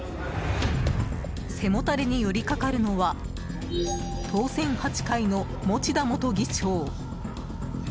背もたれに寄りかかるのは当選８回の持田元議長。